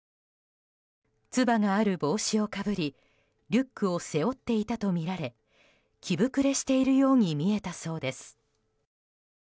つばがある帽子をかぶりリュックを背負っていたとみられ着膨れしているように見えたそうです。